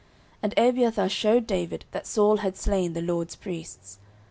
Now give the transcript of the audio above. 09:022:021 And Abiathar shewed David that Saul had slain the LORD's priests.